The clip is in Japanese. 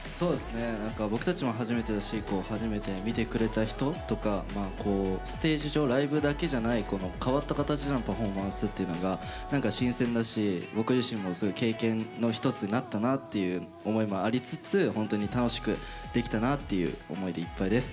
僕たちも初めてだし初めて見てくれた人とかステージ上ライブだけじゃない変わった形でのパフォーマンスっていうのが新鮮だし僕自身もそういう経験の一つになったなっていう思いもありつつ本当に楽しくできたなっていう思いでいっぱいです。